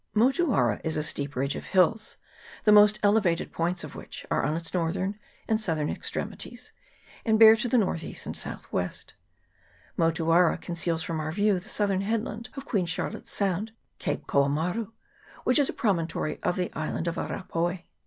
Motuara is a steep ridge of hills, the most elevated points of which are on its northern and southern extremities, and bear to N.E. and S.W. Motuara conceals from our view the southern headland of Queen Charlotte's Sound, Cape Koamaru, which is a promontory of the Island of Arapaoa.